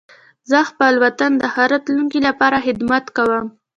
زه خپل وطن د ښه راتلونکي لپاره خدمت کوم.